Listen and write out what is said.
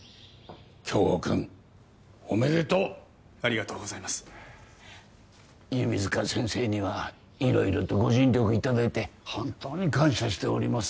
京吾君おめでとうありがとうございます弓塚先生には色々とご尽力いただいて本当に感謝しております